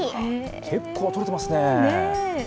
結構取れてますね。